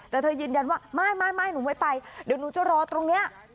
แต่เธอยืนยันว่าไม่หนูไม่ไปเดี๋ยวหนูจะรอตรงนี้